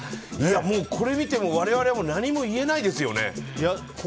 これ見ても、我々は何も言えないですよね。